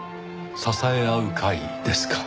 支え合う会ですか。